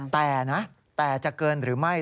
แต่นะแต่จะเกินหรือไม่